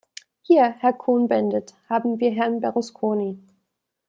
Hier, Herr Cohn-Bendit, haben wir Herrn Berlusconi.